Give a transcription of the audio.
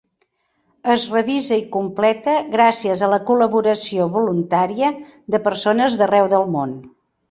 Es revisa i completa gràcies a la col·laboració voluntària de persones d'arreu del món.